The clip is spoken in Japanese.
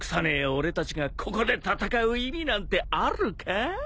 俺たちがここで戦う意味なんてあるか？